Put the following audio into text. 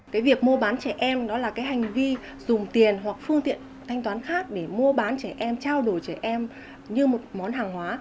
cái việc mua bán trẻ em đó là cái hành vi dùng tiền hoặc phương tiện thanh toán khác để mua bán trẻ em trao đổi trẻ em như một món hàng hóa